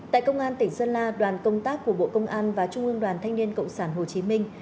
tại công an tỉnh sơn la đoàn công tác của bộ công an và trung ương đoàn thanh niên cộng sản hồ chí minh